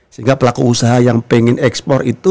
sehingga pelaku usaha yang pengen ekspor itu